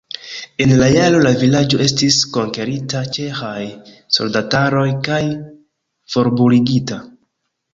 En la jaro la vilaĝo estis konkerita ĉeĥaj soldataroj kaj forbruligita.